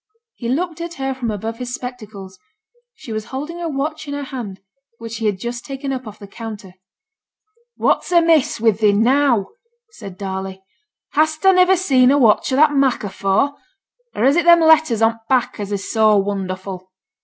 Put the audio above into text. He looked at her from above his spectacles; she was holding a watch in her hand which she had just taken up off the counter. 'What's amiss wi' thee now?' said Darley. 'Hast ta niver seen a watch o' that mak' afore? or is it them letters on t' back, as is so wonderful?'